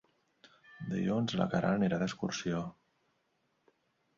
Dilluns na Queralt anirà d'excursió.